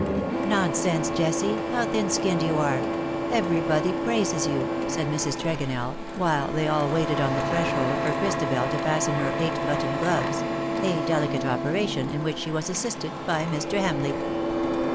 ^''" Nonsense, Jessie, how thin skinned you are ; everybody praises you,^^ said Mrs. Tregonell, while they all waited on the threshold for Christabel to fasten her eight button gloves — a delicate operation, in which she was assisted by Mr. Hamleigh. 156 IN SOCIETY.